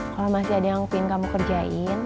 kalau masih ada yang ingin kamu kerjain